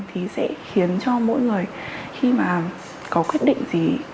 thì sẽ khiến cho mỗi người khi mà có quyết định gì